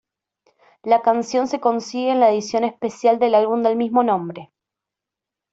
La canción se consigue en la edición especial del álbum del mismo nombre.